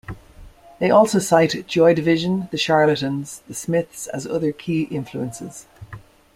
They also cite Joy Division, The Charlatans, The Smiths as other key influences.